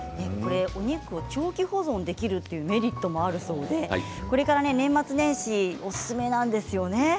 肉を長期保存できるというメリットもあるそうでこれから年末年始おすすめなんですよね。